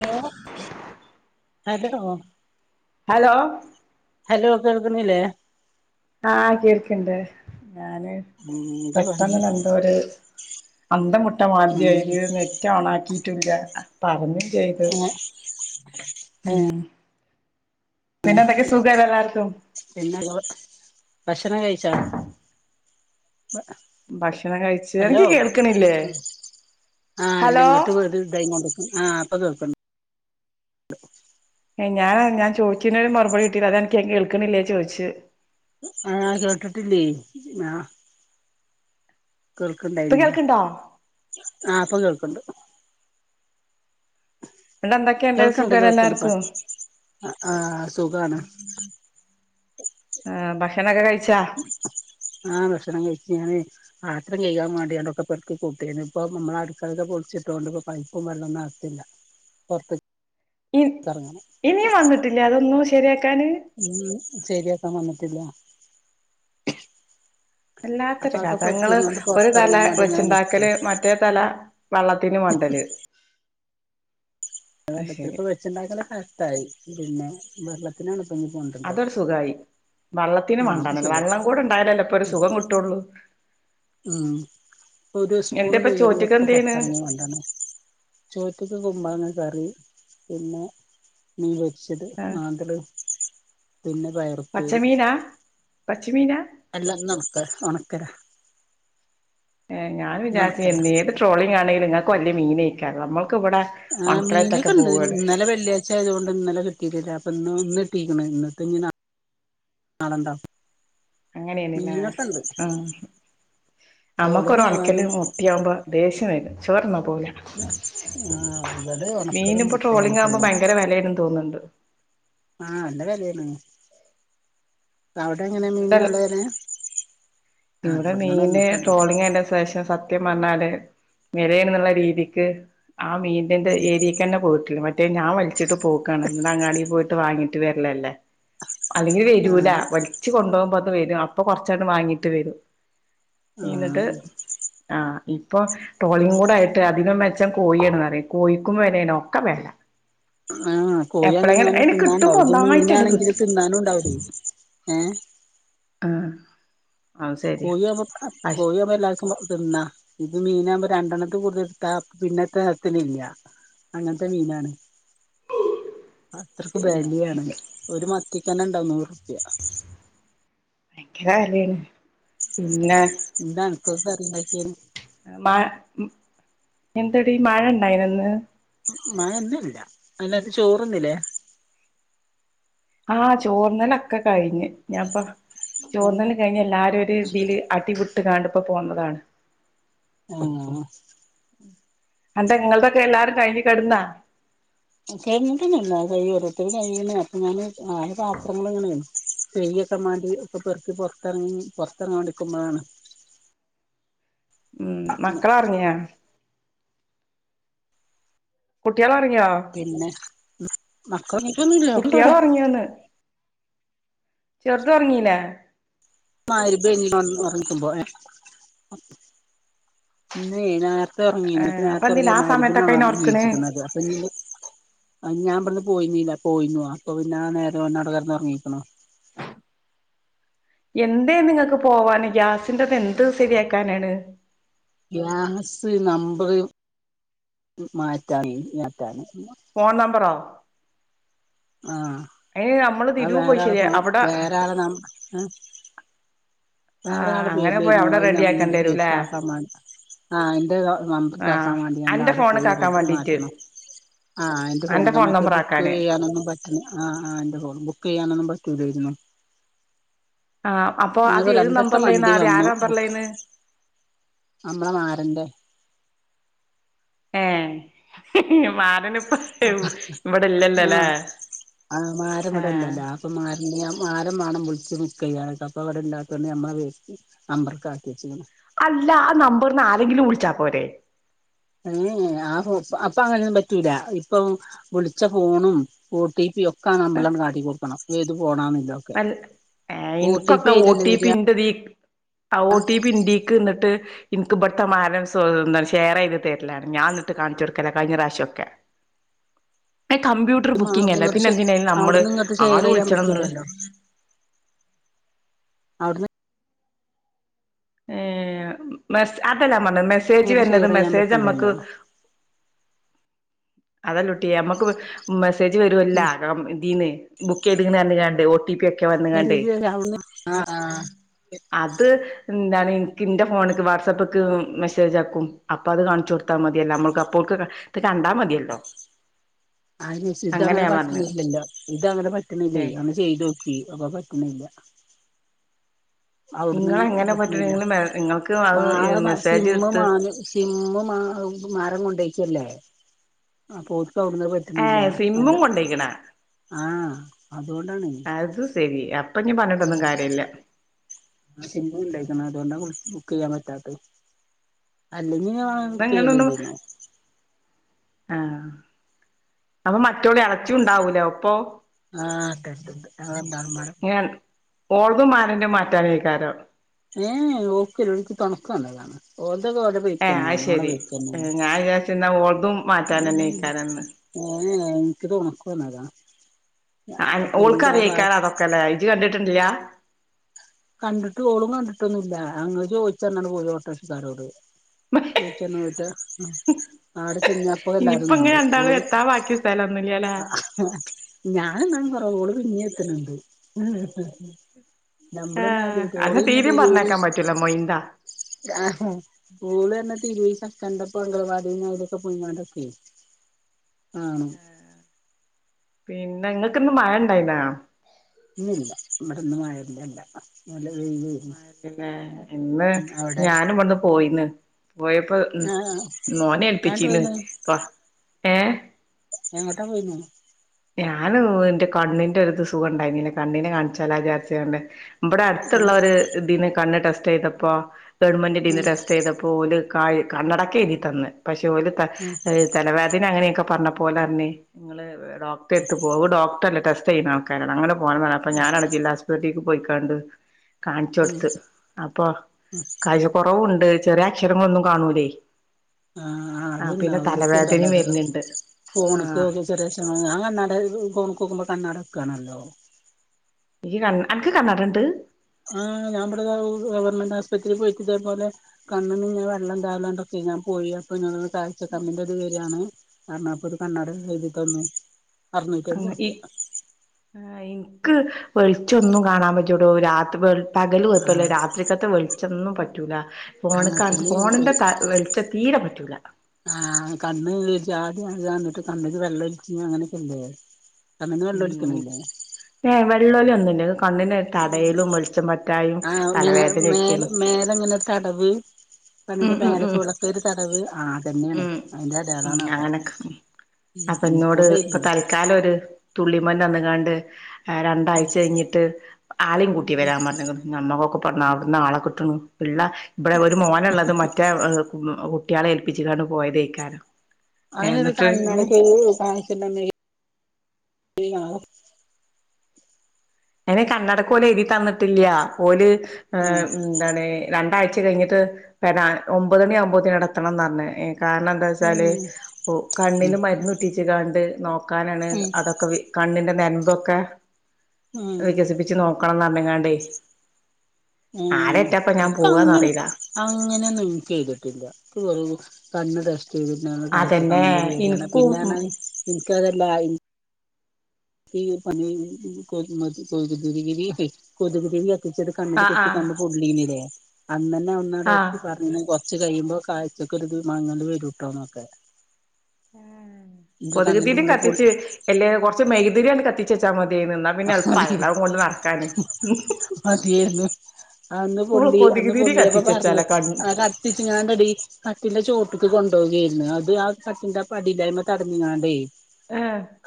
Hello [unintelligible] hello hello കേൾക്കുന്നില്ലേ ആഹ് കേൾക്ണ്ട് ഞാന് ഉം എന്താ പണി പെട്ടന്ന് [unintelligible] അന്തം വ്ട്ട ഉം മാതീര്യായിട്ട് നെറ്റ് ഓണാക്കിയിട്ടില്ല പറഞ്ഞ് ചെയ്തു ഉം ഉ പിന്നെ എന്തൊക്കെ സുഖല്ലേ എല്ലാർക്കും പിന്നെ ഭക്ഷണം കഴിച്ച ഭക്ഷണം കഴിച്ച് ഹലോ ഇനിക്ക് കേൾക്കണില്ലേ ആഹ് ഹലോ ഇല്ലങ്ങോട്ടും അതിതായ് തോന്ന്ണ്ട് ആ ഇപ്പ കേക്ണ്ട് ഞാൻ ഞാൻ ചോദിക്കണെന് മറുപടി കിട്ടില്ല അതാ ഇനിക്ക് ഞാൻ കേൾക്കണില്ലേ ചോദിച്ച് ആ കേട്ടിട്ടില്ലേ ആ ഇപ്പൊ കേൾക്ണ്ടായിന്നില്ല കേൾക്ക്ണ്ടോ ആ ഇപ്പൊ കേൾക്ണ്ട് എന്നിട്ട് എന്തൊക്കെയുണ്ട് കേൾക്ണ്ട് സുഖല്ലേ കേൾക്ണ്ട് പ എല്ലാർക്കും ആ സുഖാണ് ആ ഭക്ഷണൊക്കെ കഴി ആഹ് ഭക്ഷണം കഴിച്ച് ഞാന് ആ പാത്രം കഴ്കാൻ വേണ്ടിയാണ്ടൊക്കെ പെറുക്കി കൂട്ട്യാന് ഇപ്പൊ നമ്മളെ അടുക്കളേടെ പൊളിച്ചിട്ടൊണ്ട് ഇപ്പോ പൈപ്പും വെള്ളൊന്നും അകത്തില്ല പൊറത്ത് ക്‌ ഇ ഇനിയും വന്നിട്ടില്ലേ അതൊന്നും ശരിയാ ഉം ശര്യാക്കാൻ വന്നട്ടില്ല അപ്പൊ വല്ലാത്തൊരു അതൊക്കെ കഥങ്ങള് പെറുക്കിയും കൊണ്ട് ഒരു തല പുറത്തിറങ്ങാൻ വേണ്ടി ഇങ്ങനെ നിൽക്കുവാ വെച്ച്ണ്ടാക്കല് മറ്റേ തല വള്ളത്തിന് മണ്ടേല് വെള്ളത്തില് ശരി ഇപ്പ വെച്ച്ണ്ടാക്കല് കഷ്ടായി പിന്നെ വെള്ളത്തിനാണ് ഇപ്പൊ ഇനി കൊണ്ടത് അതോടെ സുഖമായി വെള്ളത്തിനും ആഹ് അത് വേണ്ടന്നല്ല സുഖം വെള്ളം കൂടെ ഉണ്ടായാലല്ലേ ഇപ്പൊ ഒരു സുഖം കിട്ടുള്ളൂ ഉം ഒരു സ്പൂണ് എന്തേപ്പ ചോറ്റ്ക്ക് കൈ്യണതൊക്കെ എന്തേന് പുൊറത്തിറങ്ങി വേണ്ടന്നേ ചോറ്റക്കെ കൊുമ്പാങ്ങനെ കറി പിന്നെ നീ വച്ചത് ആഹ് നാന്തല് പിന്നെ പയർത്തിത് പശച്ചമിന എല്ലാം നക്ക ഉണക്കരാ ഏ ഞൻ വിചാരിച്ച ഏത് ട്രോളിംഗ ആണെങ്കും നിങ്ങൾക്ക് വല്ിയ മീനക്കാറ് നമ്മൾ ആ് മീനൊക്കെ ഉണ്ട് ഇന്നലെ വെള്ളിയാഴ്ച ആയത കൊൊണ്ട് ഇന്നലെ കിട്ടിട്ടില്ല ഇപ്പ ഒന്ന്ിട്ടീരിക്കണ ഇന്നത്തൊ നാടണ്ടാ അങ്ങനെയന്നില്ല ഉ നമ്മുക്കൊരു ട്രോളിങ് ഉണക്കല് ആയാലും മുട്ടിയകുമ്പോ ദേഷ്യം വരും ആഹ് ഇവിടെ ഉണക്കൊരു മീന ഇപ്പോൊ മുട്ടയാണ് ട്രോളിങ് ഇപ്പ ആകുമ്പോ ഭയങ്കര വിലയെന്ന് തോന്നുന്നുണ്ട് ആഹ എല്ല കലയാണ് അവിടെ എങ്ങനെ എന്നിട്ടൽ മീനുകല്ലന ഇവിടെ മീന് ട്രോളിംഗ അയിന്റെ ശേഷം സത്യ ല് മിലുള്ള രീതിക്ക് ആ മീന്റെ ഉം ഏരിയക്ക് തന്നെ പോയിട്ടില്ലറ്റ മറ്റേ ഞാൻ വിളിച്ചിട്ട് പോക്കാണ് എന്നി് അങ്ങാടി പോയിട്ട് വാങ്ങിട്ട് വരലല്ലേ അല്ലെങ്കിൽ വരൂല ആഹ് വലിച്ച് കൊണ്ടുപോകുമ്പോ അത് വരും അപ്പൊ കൊറച്ചണ്ട് വാങ്ങിട്ട് വരും നീന്നിട്ട് ആഹ് ആഹ ഇപ്പൊ ട്രോളിയും കൂടെ ആയിട്ട് അതി വെച്ചാൻ കോഴണറ കോഴിക്കുമ്പോ വനേന ഒക്കെ വേല ആഹ കോഴൽ ഞ്ഞും തിന്നാൻണ്ടാവും ഇത് ഒന്നായിട്ടാണ് മീനാണെങ്കില് കിട്ടും തിന്നാനും ഉണ്ടാവില്ലേ എഏ ആ അത് ശരിയാ കോയി്പ കോോയിമ്മല്ലന്ന ഇത് മീനാകുമ്പോ രണ്ടെണ്ത്ത് കൂടുത എടുത്താ പിന്നെ തത്തി ഇല്ല അങ്ങനത്തെ മീനാണ് അത്രക്ക് ബലിയാണ് ഒരു മത്തിക്കന്നെ ഉണ്ടാവ നൂറ് ഭയങ്കര കാലാണ് എന്താണപ്പ അറല്ലക്ക മ എന്തടി മഴ ഇണ്ടായിനന്ന് മന്നുംല്ല അതിനത്ത് ചോറൊന്നില്ലേ ആഹ് ചോർന്നലൊക്കെ കഴിഞ്ഞ് ഞാപ്പൊ ചോന്നു കഴിഞ്ഞഞ് എല്ലാരും ഒരു ഇതിൽ അടിപട്ട് കണ്ടപ്പോ പോന്നതാണ് ആഹ അണ്ട ഇങ്ങളതൊക്കെ എല്ലാരും കഴിഞ്ഞ കിടന്നാ കഞ്ഞിട്ടന്നാ കൈ ഓരോത്തക്ക് കഴ്യന്നേ അപ്പൊ ഞാന് ആ പാത്രങ്ങ ഇങ്ങനെ വു സ്ത്രൊക്കെ മാറ്റി ഒക്കെ പെറത്തി പുൊറത്തിറങ്ങി പുൊറത്തിറങ്ങാണ്ടിക്കുമ്പോഴാണ് ഉം മക്കള ഇറങ്ങിയാ കുട്ടിയാല വർക്ക പിന്നെ മക്കളെണീറ്റൊന്നുല്ല കുട്ടിയൾ ഒക്കെണ്ടവിടെ ഇറങ്ങിയന്ന് ചെറുത ഉറങ്ങീന രിഭഞ്ഞിക്കുമ്പോ ഇ ഇറങ്ങിപ്പ നേരത്തെ ഏ അപ്പൊ ഇറങ്ങിയ എന്തിനാ ആ മരുബിന സമയത്തൊക്കെ അയിനെ ഒറക്കണ് നീച്ചിക്കുന്നത് അപ്പൊ ഞാൻ പറഞ്ഞ പോയിന്നില്ല പോയിന്ന അപ്പൊ പിന്നെ നേരെ വാട്ടുകാരന്ന് ഇറങ്ങിരിക്കണ എന്തേ നിങ്ങക്ക് പോവാാന് ഗ്യാസിറത് എന്ത് ശരിയാക്കാനാണ് ഗ്യാസ് നമ്പർ മാറ്റാണ് മാറ്റാണ് ഫോൺ നമ്പറ ആഹ് എയ് നമ്മള് അത് തിരു പോയി വേറെ ആളെ ശെരിയാ ഫോ അവ്ടെ വേറെ ആളെ വേറെ ആളെ പേരിലാര്ന്നു അവിടെ അത് ഞ്ഞമ്മ ഇന്റെ റെഡിയാക്കേണ്ടി വരൂല്ലേ പേരിക്കാക്കാൻ മാണ്ടി ആഹ് ഇന്റെ ആഹ് നമ്പറ്ക്കക്കാൻ വാണ്ടിയാണ്ട് അന്റെ അവ്ടെ ഫോണ്ക്ക് പോയി ആക്കാൻ വേണ്ടീട്ട് മാറ്റണം ആഹ് ന്റെ അന്റെ ഫോണക്ക് ഫോൺ മറ്റേ നമ്പർ ബുക്ക് ആക്കാന് യ്യാനൊന്നും പറ്റ്ണ് ആ ആ ന്റെ ഫോണ് ബുക്ക് ചെയ്യാനൊന്നും പറ്റൂലാരുന്നു ആഹ് അപ്പൊ അത് ഏത് രണ്ടെട്ടം നമ്പറിലേന്ന് വണ്ടി ആദ്യം ആ വന്നു ബുക്ക് നമ്പറിലേന്ന് ഞമ്മള മാരന്റെ ഏ മാരന് അ ആ ആ മാര ആഹ് ഇവ്ട്ല്ലല്ലോ അപ്പ മാര ഇനി ആ മാരം വേണം വിളിച്ച ബുക്ക്യ്യാന് ട്ടൊ അപ്പ ഇവ്ടെ ഇല്ലാത്തതൊണ്ട് നമ്മെ പേരിക്ക് നമ്പർക്ക് ആക്കി വെച്ച്ക്ക്ണ് അല്ല ആ നമ്പറിന്ന് ആരെങ്കിലും വിളിച്ചാ പോരെ- ഏഹ് ആഹ് അപ്പൊ അങ്ങനൊന്നും പറ്റൂല ഇപ്പൊ വിളിച്ച ഫോണും ഒ ടി പി ഒ ക്ക ആഹ് നമ്പറിലങ്ങട് കാട്ടി കൊടുക്കണം ഏത് ഫോണന്നല്ലേതൊക്കെ വൽ ഏഹ് ഓ ടി പി അയിലല്ലേ വരിയാ ആഹ് ഒ ടി പി ഇന്റെയിക്ക് ഇന്ന് ട്ട് ഇന്ക്ക് ഇബ്ട്ത്തെ മാരൻസ് എന്താ ഷെയർയ്ത് തരലാണ് ഞാൻ എന്നിട്ട് കാണിച്ചു കൊടുക്കലാ കഴിഞ്ഞ പ്രാവശ്യക്കെ അവിടുന്ന് അല്ലേ ഇങ്ങട്ട് പിന്നെ ഷെ എന്തിനാ അയിന് നമ്മള് അവ്ട്ന്ന് ഇങ്ങട്ട് ആള് ഷെയറെയ്യാൻ വിളിച്ചണം എന്നുള്ള പറ്റുലല്ലോ ഏഹ് മെസ് അതല്ലാ ഞാൻ പറഞ്ഞത് മെസ്സേജ് ഇങ്ങോട്ട് വരണത് ഷെയർ ചെയ്യാൻ മെസ്സേജ് ഞമ്മക്ക് പറ്റൂലല്ലോ അതല്ലൂട്ടിയെ ഞമ്മക്ക് മെസ്സേജ് വരുവല്ല ഉം ഇതിന്ന് ബുക്ക് എയ്ത്ക്ക്ണ് പറഞ്ഞ്കാണ്ടേ ഒ ടി പി ക്കെ വന്ന്കാണ്ട് അവിടുന്ന് ആഹ് ആഹ് അത് എന്താണ് ഇനിക്ക് ഇന്റെ ഫോണിക്ക് വാട്സപ്പ്ക്ക് മെസ്സേജാക്കും അപ്പൊ അത് കാണിച്ച് കൊടുത്താൽ മതിയല്ലേ നമ്മക്ക് അപ്പോം ക്ക്‌ ത് കണ്ടാ മതിയല്ലോ ആഹ് അങ്ങനെ ഇതങ്ങനെ ഞാൻ പറഞ്ഞ് പറ്റ്ണില്ലല്ലോ ഇത്ങ്ങനെ പറ്റ്ണില്ലേ ഏ അന്ന് ചെയ്തോക്കി അപ്പൊ പറ്റ്ണില്ല അവ്ട്ന്ന് നിങ്ങള് എങ്ങനെ കിട്ട്ണില്ല പറ്റണെങ്കില് നിങ്ങൾക്ക് അത് ബ മെസ്സേജ് സിമ്മ് എടുത്ത് മാറി സിമ്മ് മാ മാരൻ കൊണ്ടയ്ക്കല്ലേ ക്ക്‌ അവ്ട്ന്ന് ഏ പറ്റണില്ല നല്ല സിമ്മും കൊണ്ടോയിക്കണാ ആഹ് അതുകൊണ്ടാണ് അത് ശെരി അപ്പൊ ഇനി ഉം പറഞ്ഞിട്ടൊന്നും കാര്യല്ല സിമ്മ് ഇണ്ടാരിക്കണം അതുകൊണ്ടാ ബുക്ക് ചെയ്യാൻ പറ്റാത്തെ അല്ലെങ്കി ഞാൻ ഇന്ന് ബുക്ക് ഇങ്ങനൊന്നും [unintelligible] ആഹ് അപ്പ മ ആഹ് കേട്ട്ണ്ട് [unintelligible] ഓളതും മാരന്റെ മാറ്റാനയ്ക്കാരോ ഏഹ് ഓക്കില്ല ഓള് ക്ക് തൊണക്ക്‌ വന്നതാണ് ഓ ഓളെ ഏ പേരിക്ക് അത് ന്നെയാണ് ഓളെ ശരി പേരിക്കന്നെയാണ് ഞാൻ വിചാരിച്ച് ന്നാ ഓൾതും മാറ്റാനന്നേക്കാരംന്ന് ഓനെ എനക്ക് തൊണക്ക് വന്നതാ അ അൻ ഓൾക്ക്‌ തിരൂര് ആ ഭാഗ അറിയേക്കാരെ അതൊക്കെല്ലേ ഇജ് കണ്ടിട്ട്ൺല്ല. കണ്ടിട്ട് ഓളും കണ്ടിട്ടൊന്നുല്ല. അങ്ങള് ചോദിച്ച അറിഞട് പോയി ഓട്ടോറിഷക്കാരോട്. ചോയിച്ച ർഞ് പോയിട്ടാ ആടെ ചെന്നപ്പോ എല്ലാരും ഇനിയിപ്പ ഇങ്ങനെ കണ്ടു രണ്ടാളും ഓളും എത്താൻ ബാക്കി സ്ഥലൊന്നുല്ലല്ലേ ഞാൻ ന്നാലും കൊറവാ പിന്നേം എത്ത്ണ് ണ്ട്. ആ നമ്മള് പിന്നെ അടീക്കാ ഓള് അന്നെ പിന്നെ തീരിം പറഞ്ഞേക്കാൻ ഇതീലുസ് പറ്റൂല മൊയിന്താ അഹ് ഓള് ന്ന് തിരുയ് സക്കന്റെ പ്പം അംഗവാടിന്ന് എവിടെയൊക്കെ പോയിങ്ങണ്ടൊക്കെ ആഹ് പിന്നെ ഇങ്ങക്ക്‌ന്ന് മഴ ണ്ടായിന്നൊ? ഇന്നില്ല ഇവ്ടെ മഴ ഇല്ലല്ല. പിന്നെ ഇന്ന് അവിടെ ഞാനും ഇബ്ട്ന്ന് പോയിന്ന് പോയപ്പോ ഉം ആഹ് മോനെ ഞാൻ എൽപ്പിച്ചിന്ന് പോയിനു പ്പ ഏഹ് എങ്ങോട്ടാ പോയിന്നെ? ഞാന് ന്നു ന്റെ കണ്ണിന്റെ ഒര്ത് സുഖംണ്ടായിന്നില്ല കണ്ണിനെ കാണിച്ചാലൊ ആഹ് കരുതിയാണ്ട് ബ്ടെ അടുത്തുള്ള ഉം ഒര് ഇതിന്ന് കണ്ണ് ടെസ്റ്റ് യ്തപ്പോ ഗവൺമെന്റിന്റെന്ന് ഉം ടെസ്റ്റ് ചെയ്തപ്പോ ഓല് ക കണ്ണടക്കെ എഴ്‌തി തന്ന്. പക്ഷെ ഓല് ത ഉം എഹ് തലവേദന അങ്ങനെയൊക്കെ പറഞ്ഞപ്പൊല് ർഞ് ങ്ങള് ഡോ ട്ടെര്ത് പോവൂ ഡോക്ടല്ല ടെസ്റ്റ്‌ യ്യ്ണ ആൾകാരാത അങ്ങനെ പോന്നതാ ഞാനാ ജില്ലാസ്പത്തിക് പോയിക്കാണ്ട് ഉം കാണിച്ചൊട്ത്ത് അപ്പൊ കായ്ച്ച ക്കൊറവൂണ്ട്. ചെറിയ അക്ഷരങ്ങളൊന്നും കാണൂലേ ആഹ് ആഹ് ആ പിന്നെ അത്ണ്ടാവും തലവേദനയും ഇൻക്കുംണ്ടല്ലാത്. വരുന്നുണ്ട് ആ ഫോണ്ക്കൊക്യ ചെറിക്ഷര ഞാൻ കണ്ണട ഫോൺക്കോക്കുമ്പ കണ്ണടക്കാണല്ലോ. ഇജ് ന്നൻ അൻക് കണ്ണടണ്ട്. ആഹ് ഞാബടെ, [unintelligible] ഗവണ്മെന്റ് ആസ്പത്രി പോയിട്ടിതെ പോലെ കണ്ണിന്ന്ങ്ങെനെ വെള്ളം താ [unintelligible] ഞാൻ പോയി അപ്പൊ ന്നോട് കാഴ്ചക്കമ്മിന്റെത് വരാണ് പറഞ്ഞ് അപ്പൊര് കണ്ണാട എയ്തി തന്നു അർന്നൂറ്റയ്മ്പർപ്യാ ക്ക് വെളിച്ചൊന്നും കാണാൻ പറ്റൂടോ രാത്രി പ പകൽ കൊയ്പ്പല്ല ആഹ് രാത്രിക്കകത്തെ വെൾ ച്ചൊന്നും പറ്റൂല അങ്ങനെ ഫോണ്ക്ക തന്നെ ഫോണ്ന്റെ ത വെൾച്ച തീരെ പറ്റൂല ആ കണ്ണ്ര് ചാതി ആക ന്നട്ട് കണ്ണ്ക്ക് വെള്ളം ഒൽച്ചിണ് അങ്ങനെയൊക്കെല്ലേ കണ്ണ്ന്ന് ഉം വെള്ളൊലിക്ക്‌ണില്ലെ ഏഹ് വെള്ളൊലി ഒന്നുല്ല അത് കണ്ണിന് തടയലും വെളിച്ചം പറ്റായും ആ മേ മേലെ തലവേദനയൊക്കെയാണ് മേലെങ്ങനൊര് തടവ് ഉം പണിന്റെ ഉം മേലെ പോളക്കൊരു തടവ് ആ അതന്നെയാണ് ഉം അതിന്റെ ഉം അടയാളാണ് അതൊക്കെ അങ്ങനൊക്ക ഉം ഉം ഇൻക്കും അപ്പന്നോട് പ്പ ഉണ്ടായിരുന്നു താൽക്കാലൊര് തുള്ളിമര്ന്ന് തന്ന്കാണ്ട് എ രണ്ടാഴ്ച കയ്ഞ്ഞിട്ട് ആളേം കൂട്ടി വരാൻ പറഞ്ഞീന് നമ്മക്കൊ [unintelligible] ആളെ കിട്ട്ണ് ഇള്ള ബടെ ഒര് മോന്ള്ളത് മറ്റേ എ ഉം കുട്ട്യാളെ പ്പിച് കാണ്ട് പോയതെയ്ക്കാരം അതിനത് കണ്ണാടി [unintelligible] ആ അയ്ൻ കണ്ണടക്കോല് എയ്തി തന്നിട്ടില്ല്യ ഓല് എ ആഹ് ഉം ന്താണ് രണ്ടാഴ്ച കയ്ഞ്ഞ്ട്ട് പിന്നെ ഒമ്പതണിയാവുമ്പോത്തിന് അവ്ടെത്തണം പറഞ്ഞ കാരണം ന്താ വെച്ചാല് ഉം ഉ കണ്ണില് ഉം മര്ന്ന് ഉറ്റിച്ച്ങ്ങാണ്ട് നക് നക്കാനാണ് അതൊക്കെ വി കണ്ണിന്റെ നെരൻമ്പൊക്കെ ഉം വികസിപ്പിച്ച് നോക്കണംന്നർഞ്ഞ് കാണ്ടേ ഊ ഇപ്പ അങ്ങനെ അങ്ങനെന്നും [unintelligible] ചെയ്തിട്ടില്ല നക് വെറും കണ്ണ് ടെസ്റ്റെയ്തിട്ടാണ് കാഴ്ച അതന്നെ കമ്മിന്റത് വരാണ് ഇനിക്കും ഉം പിന്നെർഞ്ഞാല് ൻക്കതല്ല ഇ [unintelligible] [unintelligible] കൊ കൊത്ക് തിരി കൊത്ക് തിരി [unintelligible] കണ്ണ്ല് ആഹ് കുത്തി കണ്ണ് ആഹ് പൊള്ളീനില്ലേ അന്നന്നെ അവ്ട്ന്നാ ആഹ് ഡോക്ട് പറഞ്ഞ്ണ് കൊ ച്ച് കഴിയുമ്പോ കാഴ്ചക്കൊര്ത് മങ്ങല് വരൂട്ടോ ന്നൊക്കെ കൊത്ക് തിരീം കത്തിച്ച് എല്ലേ കൊർച്ച് മെയ്ക് തിരിയാണ്ട് കത്തിച്ചെച്ച മതി ന്നാ പിന്നെ പൊൾ എൾപ്പായല്ലോ അതുംകൊണ്ട് നട്ക്കാന് ഹും ഹ് മതിയായിരുന്നു അന്ന് പൊള്ളി അന്ന് പൊള്ളിയെപ്പോ പർഞ്ഞ് കൺ ആ കത്തിച്ച്കാണ്ടെടീ കട്ടിന്റെ ചോട്ട്ക്ക്‌ കൊ ണ്ടോകേര്ന്ന് അത് ആ കട്ടിന്റെ ആ പടില്ലേ അയ്മ്മേ തടഞ്ഞ്ങ്ങാണ്ടെ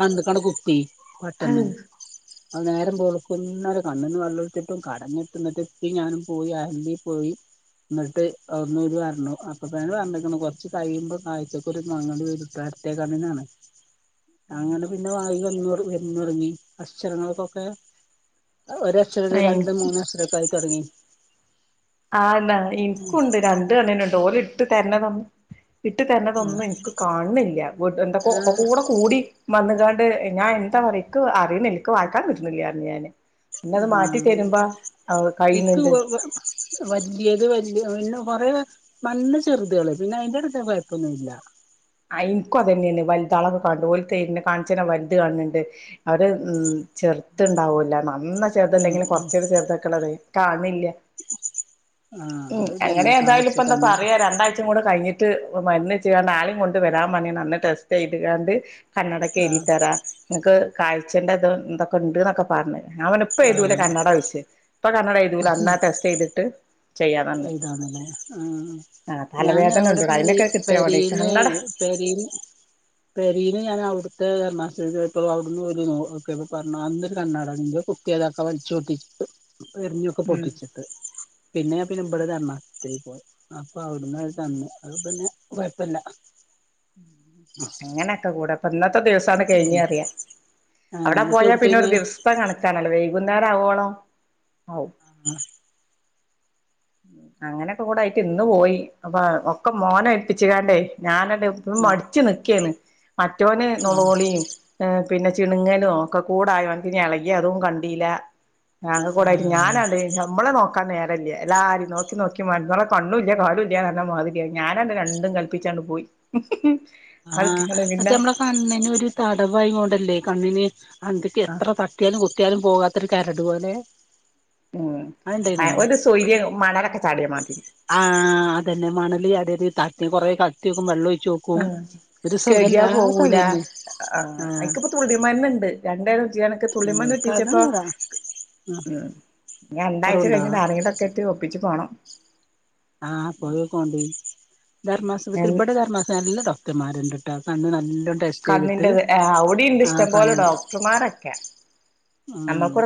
കണ്ണ്ക്കണ്ട് കുത്തി പെട്ടന്ന് ഏഹ് അത് നേരം ബെൾക്കുന്നരെ കണ്ണ്ന്ന് വെള്ളൊൽച്ട്ടും കടഞ്ഞ്ട്ട്ങ്ങട്ട് ഈ ഞാനും പോയി [unintelligible] പോയി ന്നട്ട് അവിടെന്ന് ഓല് പറഞ്ഞു അപ്പൊ തന്നെ പറഞ്ഞ്ക്ക്ണ് കൊർച്ചു കയ്യുമ്പോ കാഴ്ചക്കൊരു മങ്ങല് വരുട്ടാ ത്തേകണ്ണിനാണ് അങ്ങനെ പിന്നെ വാ [unintelligible] അക്ഷരങ്ങൾകൊക്കെ അത് ഒരക്ഷരള്ളെ ഹ് രണ്ടും മൂന്നാക്ഷരൊക്കെയായ് തൊടങ്ങി ആ ന്നാ ൻക്കും ണ്ട് രണ്ട് കണ്ണിനുംണ്ട് ഓല് ഇട്ട് തരുന്നതൊ ഇട്ട് ആ തര്ണതൊന്നും ഇൻക്ക് കാണ് ണില്ല്യ വിട്ട് എന്തൊക്കൊ ആഹ് ഒക്കൊ കൂടി മന്ന് [unintelligible] ഞാൻ എന്താ പറയാ ഇക്ക് അറീണില്ല ഇക്ക് വായിക്കാനും കിട്ട്ണില്ല പറഞ്ഞ് ഞാന് പിന്നെ അത് മാറ്റി ആഹ് തരുമ്പ ആ കയ്യിണ് ണ്ട് വല്യേദ് വല്യേ പിന്നെ കൊറയെ നന്ന ചെറുതേള് പിന്നെ അയ്ന്റെ [unintelligible] കൊയപ്പൊന്നുല്ല ആ ഇന്ക്കും അതെന്നേണ് വൽതാളൊക്കെ കാണ് ണ്ട് ഓല് തെര്ണ കാൺചെരാ വൽത് കാൺണ് ണ്ട് അത് ചെർത്ത്ണ്ടാവൂല നന്ന ഉം ചെർതല്ലെങ്കിലും ഉം കൊർച്ചാെക്കെ ചെർതെക്ക്ണതേ കാൺണില്ല ആഹ് ഉം അത് അങ്ങനെ ഇതന്നെ ഏതായാലും കാഴ്ച ഇപ്പ എന്താ കമ്മല് പറയാ രണ്ടാഴ്ചം കൂടെ കയ്ഞ്ഞി ട്ട് മര്ന്ന്ച്ച ആളെയും കൊണ്ട് വരാൻ പർഞ്ഞ്ണ് അന്ന് ടെസ്റ്റ് ചെയ്ത്ക്കാണ്ട് കണ്ണടെക്കെ ആഹ് എഴുതിത്തരാം ഇങ്ങൾക്ക് കാഴ്ചറ്റത് എന്തൊക്കെ ഉണ്ട് എന്നൊക്കെ പറഞ്ഞേ ഞാൻ പർഞ്ഞ് ഇപ്പെയ്തൂലെ ആഹ് കണ്ണട ചോയ്ച്ച് ഇപ്പൊ കണ്ണട എഴുതൂല അന്നാ ടെസ്റ്റെയ്തിട്ട് ഇ ഏ താണല്ലേ ആ ആഹ് ഞൻ തലവേദന അവ്ടെ [unintelligible] ഉണ്ടെടാ അയിനൊക്കെ കിട്ടിയാ മതി പെരീന്ന് കണ്ണട പെരീന്ന് പെരീന്ന് ഞാനവ്ട്ത്തെ എറണാശീൽയപ്പോ അവ്ട്ന്ന് ഒര് നോക്കിയപ്പം പർഞ്ഞു അന്ന് കണ്ണാടാണ്ട് കുട്ട്യാളൊക്കെ വൽച്ചാെട്ടിച്ചിട്ട് എറിഞ്ഞൊക്കെ ഉം പൊട്ടിച്ചിട്ട് പിന്നെ പിെ ഇമ്മടെ എറണാകുളത്തേക്ക് പോയി [unintelligible] അപ്പ അവിടന്ന് തു അ പിന്നെ കുഴപ്പില്ല അങ്ങനൊക്കെ കൂടെപ്പ ഇന്ന ഇത്തെ ദിവസാണ് ഉം കഴിഞ്ഞഞ് അറിയ ആഹ് അവിടെ എന്നിട്ട് പോയാ പിന്നെ എവിട്ക്കോയിന് ഒരു ദിവസത്തെ കണക്കാണല്ല. വകുന്നേരം ആവണോ [inaudible] അങ്ങനെക്ക കൂടെ ആയിട്ട് ഇന്ന് പോയി അപ്പൊ ഒക്കെ മോന ഏൽപ്പിച്ക്കാണ്ടേ ഞാന ഇ ആഹ് മടിച്ചു നക്കേന്ന് മറ്റവന് ആഹ് നളോളിയും പിന്നെ ചിണുങ്ങലും ഒക്കെ കൂടായ എനിക്ക് ഇളകി അതും കണ്ടീല്ല [unintelligible] ഞാങ്ങ കൂടൊയിട്ടും ആഹ് ഞാനാണ്ട് നമ്മളെ നോക്കാൻ നേരല്ലേ എല്ലാരും നോക്കി നോക്കി മാമ്മെ കണ്ണൂില്ല കാാര് ഇല്ല മാതിരിയായി ഞാനന്നെ രണ്ടും കല്പ്പിച്ചാണ്ട് പോയി [unintelligible] [unintelligible] ആഹ മറ്റേ പിന്നെ നമ്മളെ കണ്ണിന് ഒരു തടവയ കൊണ്ടല്ലേ കണ്ണിന് എന്തൊക്കെ ആ എത്ര തട്ടിയാലും കുത്തിയാലും പോകാത്തൊരു കരട് പോലെ ഉം അത്ണ്ടായിന്നോ ഒരു സവര്യ മണലൊക്കെ ചാടിയാൻ മാറ്റ [unintelligible] ആ അതന്നെ മണല് അ തട്ട കു കൊറേ കത്തി വക്കും വെള്ളംക് ആ കേഴുകിയാ പോകൂല ആ ആഹ് എനിക്കിപ്പ തുളി മരുന്ന്ണ്ട് രണ്ടായിര ക്കെ തുള്ള മട്ടീച്ചപ്പ [unintelligible] [unintelligible] [unintelligible] ഇൻക്കതൊന്നുല്ല ആഹ് [unintelligible] ഉം രണ്ടാഴ്ച കൊറവുണ്ടോ കഴിഞ്ഞിട്ട് അറിയടൊക്കെ ഇട്ട് ഒപ്പിച്ച് പോണം ആഹ് പോയിക്കോണ്ട ധർ്മാസത്തിരിപടെ ധർമാസംല്ലല്ലട്ടോ മമാരുണ്ടിട്ടാക്ക കണ്ട് നല്ല ടെറ്റ് ചെയ്ട്ട് കണ്ണിന്റെത് അവിടെയുണ്ട് ഇഷ്ടം ക പോലെ ഡോക്ടർമാരൊക്കെ നമ്മൾക്കൂടെ ഉ